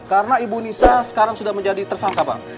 karena ibu nisa sekarang sudah menjadi tersangka pak